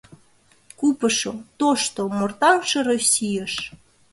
Купышо, тошто, мортаҥше Российыш